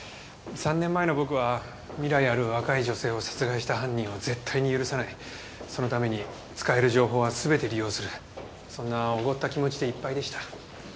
３年前の僕は未来ある若い女性を殺害した犯人を絶対に許さないそのために使える情報は全て利用するそんなおごった気持ちでいっぱいでした。